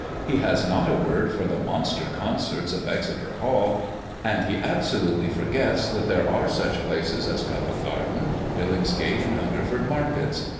He has not a word for the monster concerts of Exeter hall, and he absolutely forgets that there are such places as Covent garden, Billingsgate, and Hungerford markets.